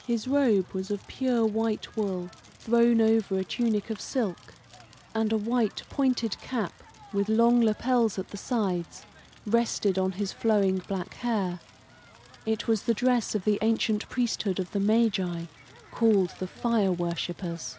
His robe was of pure white wool, thrown over a tunic of silk; and a white, pointed cap, with long lapels at the sides, rested on his flowing black hair. It was the dress of the ancient priesthood of the Magi, called the fire worshippers.